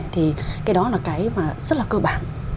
thì cái đó là cái mà rất là cơ bản